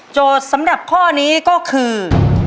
โจทย์สำหรับข้อนี้ก็คือ